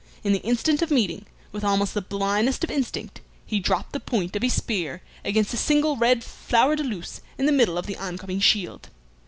In the instant of meeting, with almost the blindness of instinct, he dropped the point of his spear against the single red flower de luce in the middle of the on coming shield.